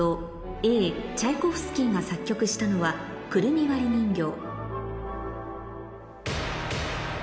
Ａチャイコフスキーが作曲したのは『くるみ割り人形』